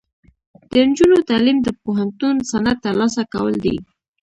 د نجونو تعلیم د پوهنتون سند ترلاسه کول دي.